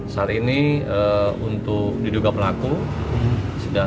saat ini untuk diduga pelanggan